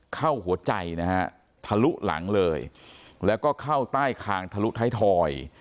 เข้าหัวใจนะฮะทะลุหลังเลยแล้วก็เข้าใต้คางทะลุท้ายทอย